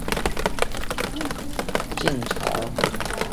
这是前凉唯一一个没有袭用晋朝年号的年号。